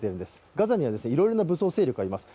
ガザにはいろいろな武装勢力がいます。